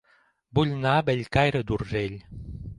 Vull anar a Bellcaire d'Urgell